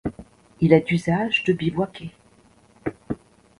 Il est d'usage de bivouaquer.